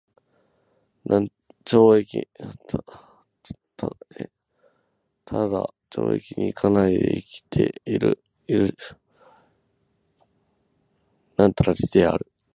只懲役に行かないで生きて居る許りである。